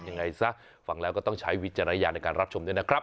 ยังไงซะฟังแล้วก็ต้องใช้วิจารณญาณในการรับชมด้วยนะครับ